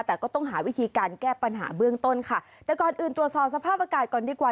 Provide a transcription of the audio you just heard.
แต่ก็ต้องหาวิธีการแก้ปัญหาเบื้องต้นค่ะแต่ก่อนอื่นตรวจสอบสภาพอากาศก่อนดีกว่า